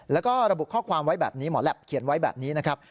แล้วก็ระบุข้อความไว้แบบนี้หมอแหลปเขียนไว้แบบนี้นะครับ